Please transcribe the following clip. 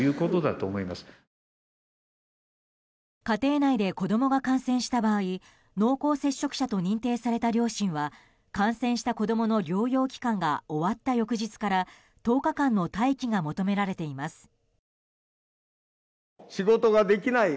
家庭内で子供が感染した場合濃厚接触者と認定された両親は感染した子供の療養期間が終わった翌日から１０日間の待機が求められています。